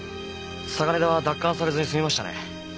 嵯峨根田は奪還されずに済みましたね。